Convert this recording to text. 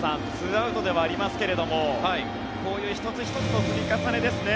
アウトではありますけどもこういう１つ１つの積み重ねですね。